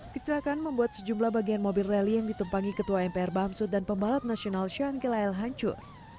kecelakaan membuat sejumlah bagian mobil rally yang ditumpangi ketua mpr bamsud dan pembalap nasional shane kilayle hancur